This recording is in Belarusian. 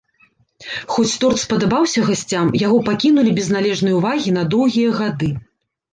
Хоць торт спадабаўся гасцям, яго пакінулі без належнай увагі на доўгія гады.